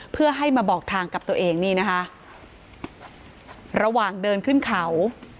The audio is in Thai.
เพื่อให้มาบอกทางกับตัวเองนี่นะคะระหว่างเดินขึ้นเขา